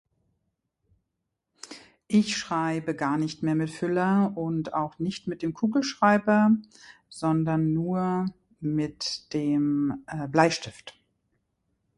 Ich schreibe gar nicht mehr mit Füller und auch nicht mit dem Kugelschreiber sondern nur mit dem eh Bleistift.